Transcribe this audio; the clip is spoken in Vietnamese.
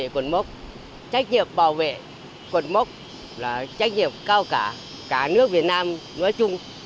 cột mốc trách nhiệm bảo vệ cột mốc là trách nhiệm cao cả cả nước việt nam nói chung